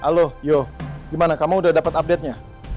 halo yo gimana kamu udah dapat update nya